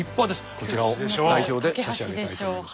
こちらを代表で差し上げたいと思います。